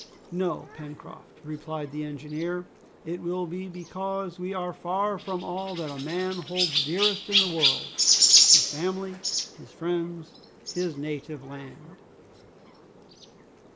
"No, Pencroft," replied the engineer, "it will be because we are far from all that a man holds dearest in the world, his family, his friends, his native land!"